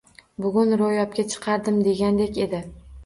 Bugun ro`yobga chiqardim degandek edi